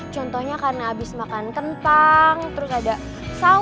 contohnya karena abis makan kentang terus ada saus terus ada